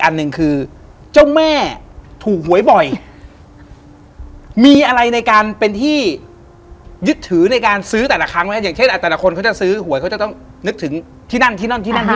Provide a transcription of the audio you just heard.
นึกถึงที่นั่นที่นั่นที่นั่นที่นี่